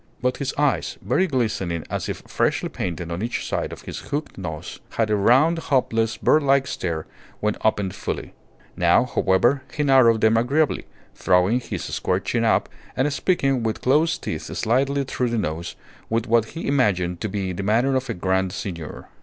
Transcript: But his eyes, very glistening as if freshly painted on each side of his hooked nose, had a round, hopeless, birdlike stare when opened fully. Now, however, he narrowed them agreeably, throwing his square chin up and speaking with closed teeth slightly through the nose, with what he imagined to be the manner of a grand seigneur.